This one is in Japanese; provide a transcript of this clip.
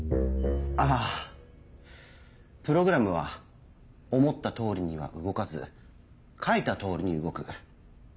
あぁプログラムは思った通りには動かず書いた通りに動く。